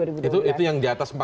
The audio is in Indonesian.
itu yang diatas empat belas ya